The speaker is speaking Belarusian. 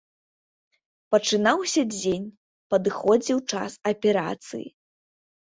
Пачынаўся дзень, падыходзіў час аперацыі.